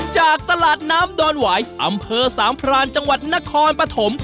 จากตลาดน้ำดอนหวายอำเภอสามพรานจังหวัดนครปฐม